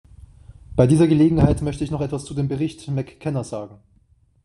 Bei dieser Gelegenheit möchte ich noch etwas zu dem Bericht McKenna sagen.